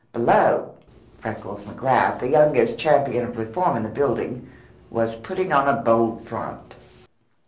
Below, Freckles McGrath, the youngest champion of reform in the building, was putting on a bold front.